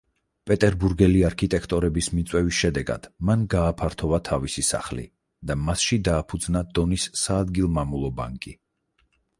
პეტერბურგელი არქიტექტორების მიწვევის შედეგად მან გააფართოვა თავისი სახლი და მასში დააფუძნა დონის საადგილმამულო ბანკი.